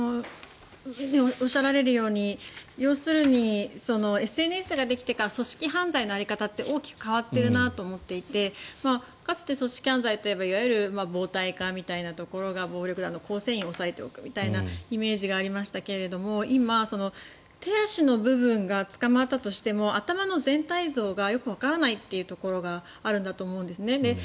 おっしゃられるように要するにＳＮＳができてから組織犯罪の在り方って大きく変わっているなと思っていてかつて組織犯罪といえばいわゆる暴対課みたいなところが暴力団の構成員を押さえておくみたいなイメージがありましたが今、手足の部分が捕まったとしても頭の全体像がよくわからないというところがあると思うんですね。